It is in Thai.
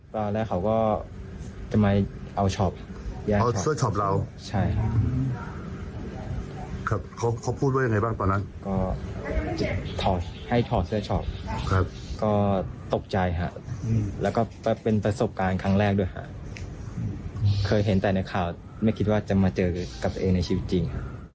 ไม่คิดว่าจะมาเจอกับเบอร์เอียนในชีวิตจริง